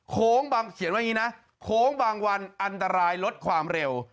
โค้งบางเขียนว่าอย่างนี้นะโค้งบางวันอันตรายลดความเร็ว